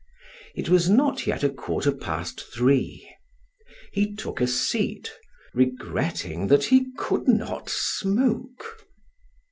It was not yet a quarter past three. He took a seat, regretting that he could not smoke.